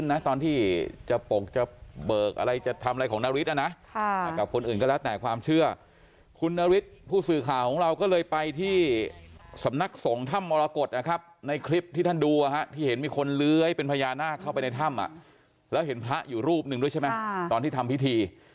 อาจจะแบบว่าไม่ได้ยินวิธี